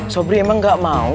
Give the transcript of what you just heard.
sobri emang gak mau